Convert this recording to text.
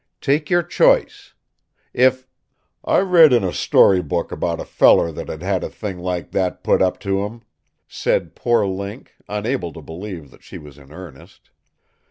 Take your choice. If " "I read in a story book about a feller that had a thing like that put up to him," said poor Link, unable to believe she was in earnest.